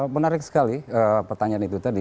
menarik sekali pertanyaan itu tadi